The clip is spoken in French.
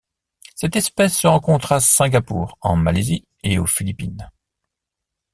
Cette espèce se rencontre à Singapour, en Malaisie et aux Philippines.